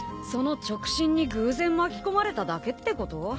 その直進に偶然巻き込まれただけってこと？